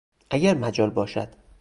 اگر مجال باشد